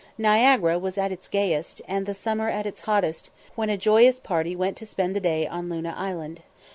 Niagara was at its gayest, and the summer at its hottest, when a joyous party went to spend the day on Luna Island.